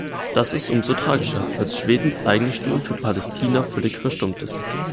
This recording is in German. Das ist umso tragischer, als Schwedens eigene Stimme für Palästina völlig verstummt ist.